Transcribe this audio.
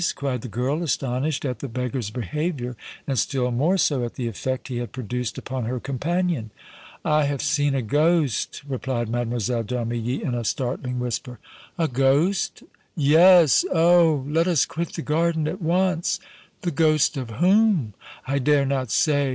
cried the girl, astonished at the beggar's behavior and still more so at the effect he had produced upon her companion. "I have seen a ghost!" replied Mlle. d' Armilly, in a startling whisper. "A ghost?" "Yes! Oh! let us quit the garden at once!" "The ghost of whom?" "I dare not say!